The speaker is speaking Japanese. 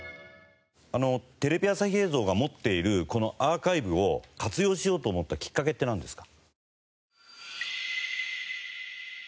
テレビ朝日映像が持っているこのアーカイブを活用しようと思ったきっかけってなんですか？